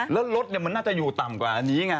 แล้วรถมันน่าจะอยู่ต่ำกว่าอันนี้ไง